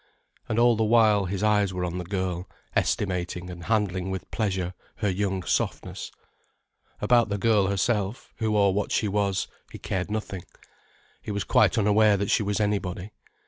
And all the while his eyes were on the girl, estimating and handling with pleasure her young softness. About the girl herself, who or what she was, he cared nothing, he was quite unaware that she was anybody.